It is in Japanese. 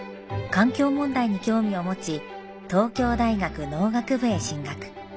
環境問題に興味を持ち東京大学農学部へ進学。